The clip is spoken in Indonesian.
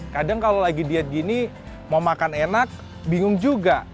kadang kalau lagi diet gini mau makan enak bingung juga